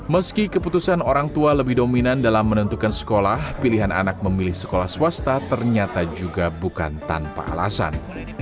meski keputusan orang tua lebih dominan dalam menentukan sekolah pilihan anak memilih sekolah swasta ternyata juga bukan tanpa alasan